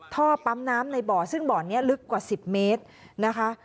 ท่อปั๊มน้ำในบ่อซึ่งบ่อนี้ลึกกว่า๑๐เมตรนะคะ